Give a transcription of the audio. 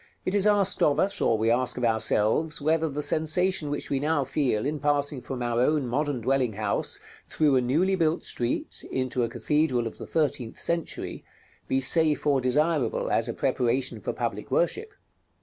It is asked of us, or we ask of ourselves, whether the sensation which we now feel in passing from our own modern dwelling house, through a newly built street, into a cathedral of the thirteenth century, be safe or desirable as a preparation for public worship.